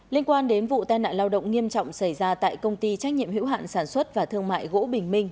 liên quan đến vụ tai nạn lao động nghiêm trọng xảy ra tại công ty trách nhiệm hữu hạn sản xuất và thương mại gỗ bình minh